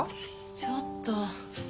ちょっと。